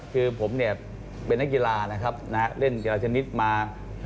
คือผมเนี่ยเป็นนักกีฬานะครับเล่นกีฬาชนิดมา